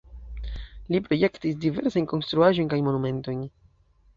Li projektis diversajn konstruaĵojn kaj monumentojn.